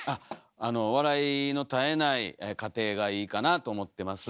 あの笑いの絶えない家庭がいいかなと思ってます。